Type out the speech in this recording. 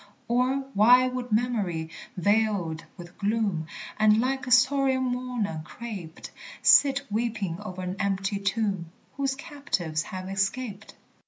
Or why should Memory, veiled with gloom, And like a sorrowing mourner craped, Sit weeping o'er an empty tomb, Whose captives have escaped?